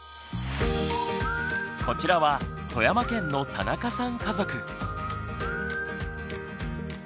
こちらは富山県の田中さん家族。